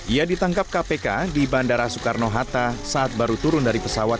ia ditangkap kpk di bandara soekarno hatta saat baru turun dari pesawat